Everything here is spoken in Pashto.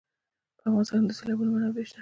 په افغانستان کې د سیلابونه منابع شته.